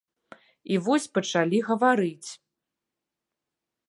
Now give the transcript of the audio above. І вось пачалі гаварыць.